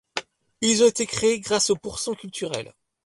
Ils ont été créés grâce au Pour-cent culturel.